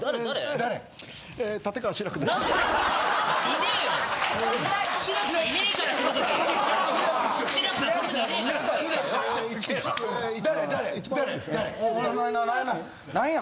誰や！？